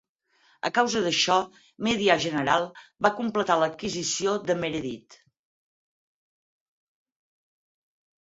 A causa d'això, Media General va completar l'adquisició de Meredith.